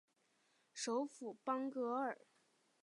首府邦戈尔。